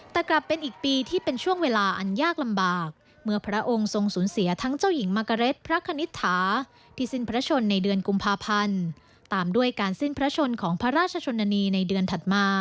แต่กลับเป็นอีกปีที่เป็นช่วงเวลาอันยากลำบากเมื่อพระองค์ทรงสูญเสียทั้งเจ้าหญิงมกะเร็ดพระคณิตถาที่สิ้นพระชนในเดือนกุมภาพันธ์ตามด้วยการสิ้นพระชนของพระราชชนนานีในเดือนถัดมา